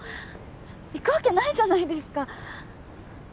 行くわけないじゃないですか